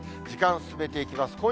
時間進めていきます。